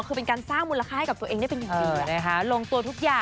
เป็นการสร้างมูลค่าให้กับตัวเองได้เป็นอย่างดี